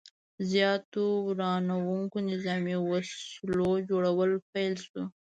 زیاتو ورانوونکو نظامي وسلو جوړول پیل شو.